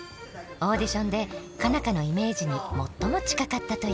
オーディションで佳奈花のイメージに最も近かったという。